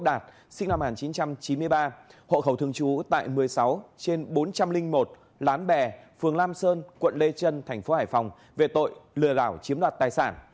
đạt sinh năm một nghìn chín trăm chín mươi ba hộ khẩu thương chú tại một mươi sáu trên bốn trăm linh một lán bè phường lam sơn quận lê trân tp hải phòng về tội lừa đảo chiếm đoạt tài sản